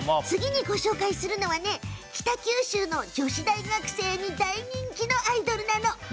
次にご紹介するのはね北九州の女子大学生に大人気のアイドルなの。